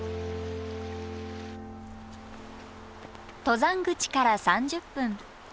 登山口から３０分。